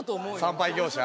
産廃業者？